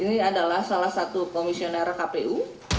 ini adalah salah satu komisioner kpu